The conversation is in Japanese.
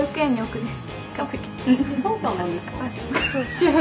主婦。